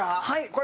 はい。